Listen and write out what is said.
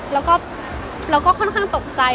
เราก็ค่อนข้างตกใจ